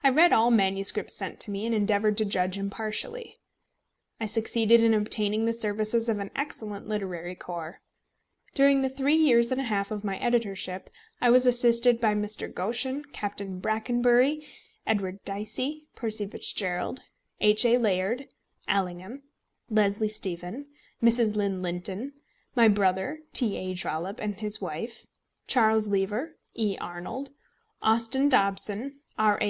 I read all manuscripts sent to me, and endeavoured to judge impartially. I succeeded in obtaining the services of an excellent literary corps. During the three years and a half of my editorship I was assisted by Mr. Goschen, Captain Brackenbury, Edward Dicey, Percy Fitzgerald, H. A. Layard, Allingham, Leslie Stephen, Mrs. Lynn Linton, my brother, T. A. Trollope, and his wife, Charles Lever, E. Arnold, Austin Dobson, R. A.